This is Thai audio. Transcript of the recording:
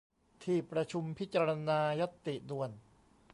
ที่ประชุมพิจารณาญัตติด่วน